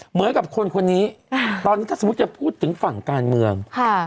เหมือนกับคนคนนี้ตอนนี้ถ้าสมมุติจะพูดถึงฝั่งการเมืองค่ะ